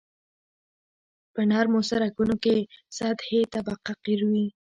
په نرمو سرکونو کې سطحي طبقه قیر وي